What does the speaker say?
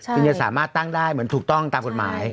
คุณจะสามารถตั้งได้เหมือนถูกต้องตามกฎหมาย